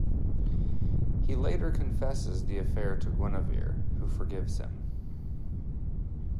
He later confesses the affair to Guinevere, who forgives him.